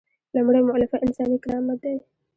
لومړۍ مولفه انساني کرامت دی.